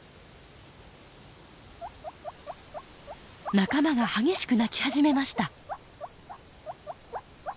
・仲間が激しく鳴き始めました。